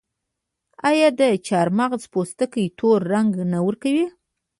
آیا د چارمغز پوستکي تور رنګ نه ورکوي؟